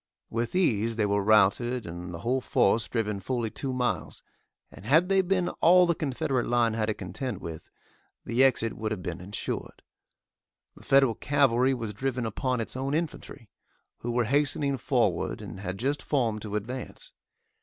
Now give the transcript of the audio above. With ease they were routed and the whole force driven fully two miles, and had they been all the Confederate line had to contend with, the exit would have been insured. The Federal cavalry was driven upon its own infantry, who were hastening forward and had just formed to advance.